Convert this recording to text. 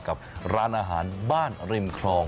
กับร้านอาหารบ้านริมคลอง